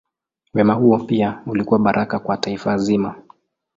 Wema huo pia ulikuwa baraka kwa taifa zima.